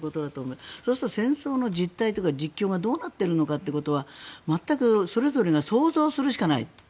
そうすると戦争の実態とか実況がどうなっているかというのはそれぞれが想像するしかない。